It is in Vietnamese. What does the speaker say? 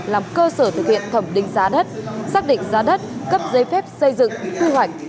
làm cơ sở thực hiện thẩm định giá đất xác định giá đất cấp giấy phép xây dựng quy hoạch